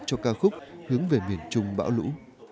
cho ca khúc hướng về miền trung bão lũ